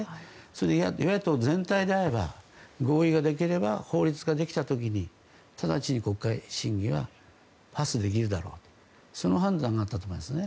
それで与野党全体であれば合意ができれば法律ができた時に直ちに国会審議はパスできるだろうとその判断があったんだと思いますね。